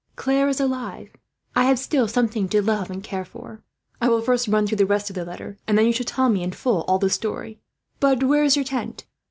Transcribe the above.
Claire is alive; I have still something to love and care for. "I will first run through the rest of the letter; and then you shall tell me, in full, all the story. But which is your tent?